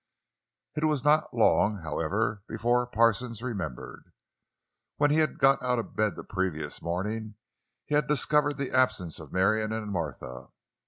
It was not long, however, before Parsons remembered. When he had got out of bed the previous morning he had discovered the absence of Marion and Martha.